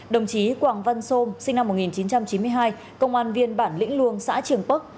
đồng chí quảng văn sôm sinh năm một nghìn chín trăm chín mươi hai công an viên bản lĩnh luông xã trường bắc